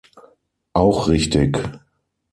Auch richtig!